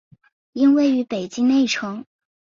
因位于北京内城复兴门外而得名。